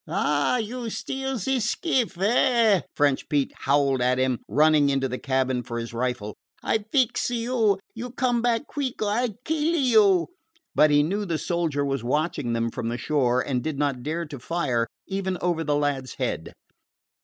"Ah! you steal ze skiff, eh?" French Pete howled at him, running into the cabin for his rifle. "I fix you! You come back queeck, or I kill you!" But he knew the soldier was watching them from the shore, and did not dare to fire, even over the lad's head.